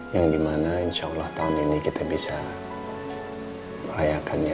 sampai jumpa di video selanjutnya